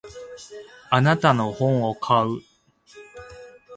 あなたの本を買う。